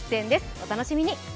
お楽しみに。